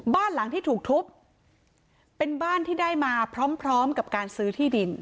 บ้านหลังที่ถูกทุบเป็นบ้านที่ได้มาพร้อมพร้อมกับการซื้อที่ดิน